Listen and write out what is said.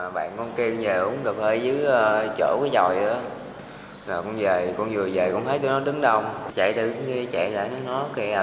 bạn con kêu về uống cơm hơi dưới chỗ cái chòi đó rồi con về con vừa về cũng thấy tụi nó đứng đông chạy từ cái kia chạy lại nó kia